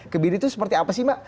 kebiri itu seperti apa sih mak